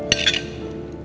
nanti aku datang